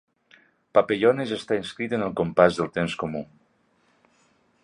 Papallones està escrit en el compàs del temps comú.